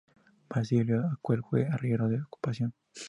Basilio Auqui fue arriero de ocupación.